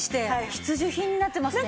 必需品になってますね。